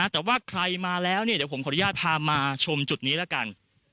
แต่ว่าใครมาแล้วเดี๋ยวผมขออนุญาตพามาชมจุดนี้ละกัน